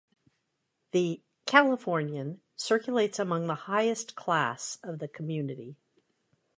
The “Californian” circulates among the highest class of the community.